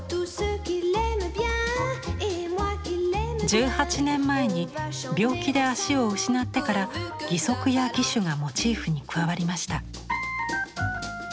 １８年前に病気で足を失ってから義足や義手がモチーフに加わりました。